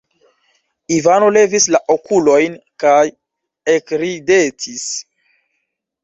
Ivano levis la okulojn kaj ekridetis.